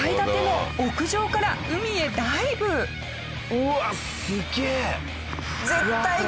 うわっすげえ！